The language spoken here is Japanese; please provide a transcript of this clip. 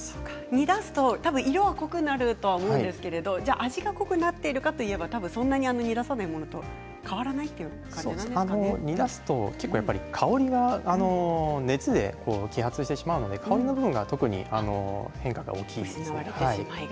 煮出すと色が濃くなると思いますが味が濃くなっているかといえばそんなに煮出さないものと煮出すと香りが熱で揮発してしまうので香りの部分が特に変化が大きいですね。